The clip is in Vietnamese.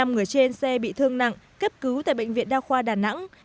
năm người trên xe bị thương nặng cấp cứu tại bệnh viện đa khoa đà nẵng